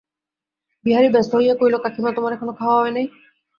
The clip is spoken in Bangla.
বিহারী ব্যস্ত হইয়া কহিল, কাকীমা, তোমার এখনো খাওয়া হয় নাই?